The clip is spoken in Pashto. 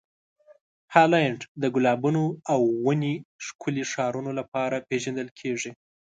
هالنډ د ګلابونو او ونې ښکلې ښارونو لپاره پېژندل کیږي.